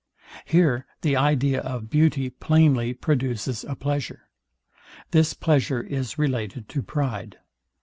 Here the idea of beauty plainly produces a pleasure. This pleasure is related to pride.